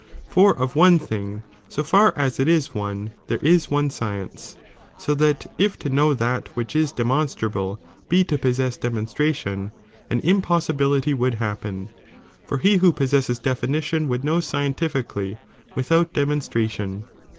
* For of one 1^^^" thing, so I'ar as it is one, there is one science, so that if to know that which is demonstrable be to possess demonstration, an impossibility would happen, for he who possesses definition would know scientifically witliout de monstration.